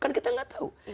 kan kita gak tahu